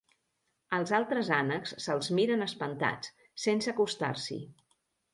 Els altres ànecs se'ls miren espantats, sense acostar-s'hi.